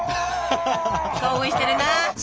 興奮してるな。